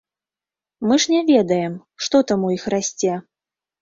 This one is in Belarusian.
Мы ж не ведаем, што там у іх расце.